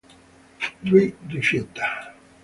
Lui rifiuta.